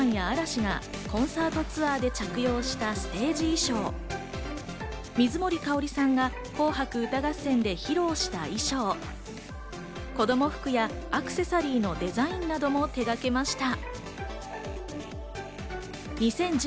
例えば、松任谷由実さんや嵐がコンサートツアーで着用したステージ衣装、水森かおりさんが『紅白歌合戦』で披露した衣装、子供服やアクセサリーのデザインなども手がけました。